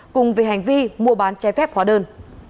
cùng về hành vi mua bán chai phép khóa đơn